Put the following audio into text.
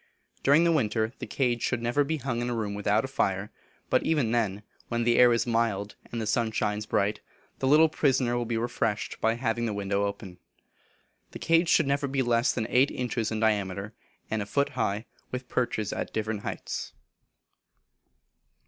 During the winter, the cage should never be hung in a room without a fire, but even then, when the air is mild, and the sun shines bright, the little prisoner will be refreshed by having the window open. The cage should never be less than eight inches in diameter, and a foot high, with perches at different heights.